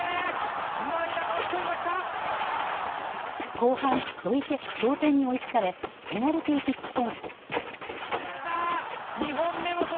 後半、同点に追いつかれペナルティーキック戦。